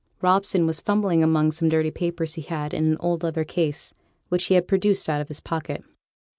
Robson was fumbling among some dirty papers he had in an old leather case, which he had produced out of his pocket.